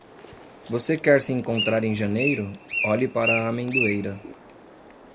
Você quer se encontrar em janeiro? Olhe para a amendoeira.